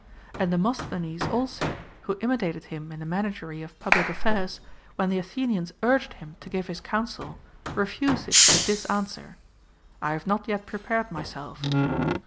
And Demosthenes also, who imi tated him in the managery of public affairs, when the Athenians urged him to give his counsel, refused it with this answer : I have not yet prepared myself.